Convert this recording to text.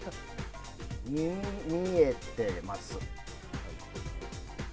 耳、見えてます。